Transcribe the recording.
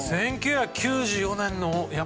１９９４年の。